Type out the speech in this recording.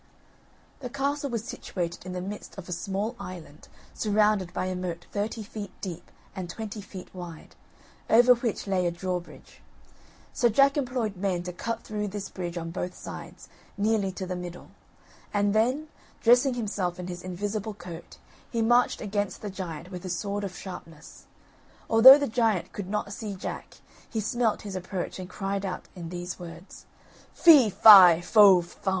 The castle was situated in the midst of a small island surrounded by a moat thirty feet deep and twenty feet wide, over which lay a drawbridge. So Jack employed men to cut through this bridge on both sides, nearly to the middle; and then, dressing himself in his invisible coat, he marched against the giant with his sword of sharpness. Although the giant could not see Jack, he smelt his approach, and cried out in these words: "Fee, fi, fo, fum!